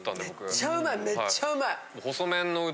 めっちゃうまいめっちゃうまい。